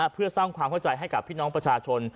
เพื่อสร้างความเข้าใจให้กับพี่น้องประชาชน